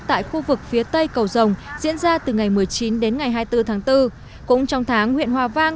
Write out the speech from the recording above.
tại khu vực phía tây cầu rồng diễn ra từ ngày một mươi chín đến ngày hai mươi bốn tháng bốn cũng trong tháng huyện hòa vang